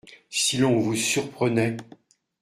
Si l’on vous surprenait…